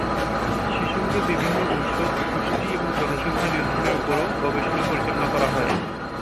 সে সঙ্গে বিভিন্ন ঔষধ, পুষ্টি এবং জনসংখ্যা নিয়ন্ত্রণের ওপরও গবেষণা পরিচালনা করা হয়।